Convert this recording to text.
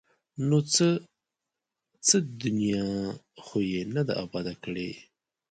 ـ نو څه؟ څه دنیا خو یې نه ده اباده کړې!